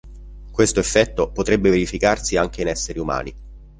Questo effetto potrebbe verificarsi anche in esseri umani.